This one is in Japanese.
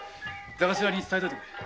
座頭に伝えといてくれ。